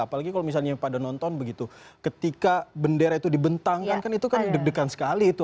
apalagi kalau misalnya pada nonton begitu ketika bendera itu dibentangkan kan itu kan deg degan sekali itu